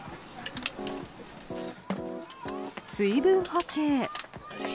水分補給。